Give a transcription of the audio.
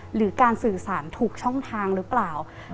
หรือการสื่อสารถูกช่องทางหรือเปล่า